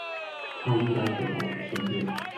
他应该回到我的身边